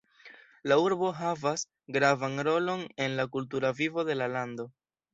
La urbo havas gravan rolon en la kultura vivo de la lando.